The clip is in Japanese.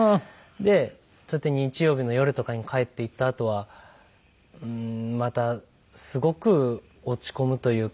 でそうやって日曜日の夜とかに帰っていったあとはまたすごく落ち込むというか。